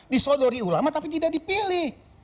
disodori ulama tapi tidak dipilih